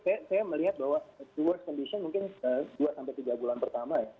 jadi saya melihat bahwa the worst condition mungkin dua tiga bulan pertama